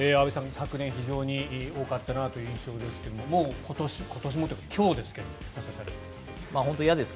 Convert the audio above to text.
昨年、非常に多かったなという印象ですけれどももう今年もというか今日ですが発射されました。